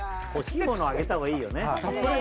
欲しいものあげたほうがいいよね。